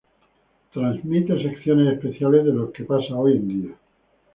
Transmite secciones especiales de lo que pasa hoy en día.